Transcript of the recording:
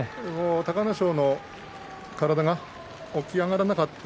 隆の勝の体が起き上がらなかった。